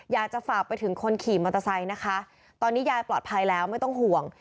อยากจะฝากไปถึงคนขี่มอเตอร์ไซค์นะคะตอนนี้ยายปลอดภัยแล้วไม่ต้องห่วง